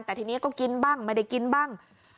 แต่ทีนี้ก็กินบ้างไม่ได้กินบ้าง